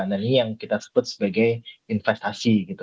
nah ini yang kita sebut sebagai investasi gitu